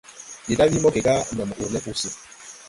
Ndi da wii moge gá ndɔ mo urlɛ gusi.